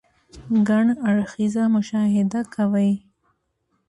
ګڼ اړخيزه مشاهده کوئ -